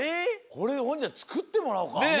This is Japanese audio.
これほんじゃつくってもらおうか。